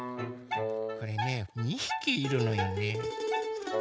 これね２ひきいるのよね。